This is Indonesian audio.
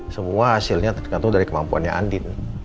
semua hasilnya tergantung dari kemampuannya andin